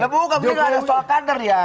bukan itu adalah soal kader ya